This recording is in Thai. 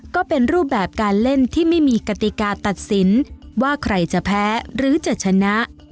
ก็เป็นรูปแบบการเล่นที่ไม่มีกติกาตัดสินว่าใครจะแพ้หรือจะชนะ